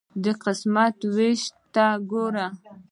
د قسمت ویش ته ګوره.